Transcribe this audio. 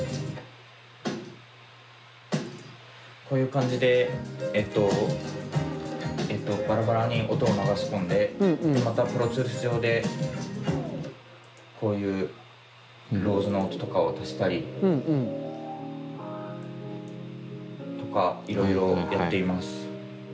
こういう感じでバラバラに音を流し込んでまたプロツールス上でこういうロールの音とかを足したりとかいろいろやっています。